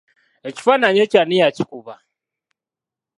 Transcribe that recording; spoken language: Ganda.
Ekifaananyi ekyo ani yakikuba?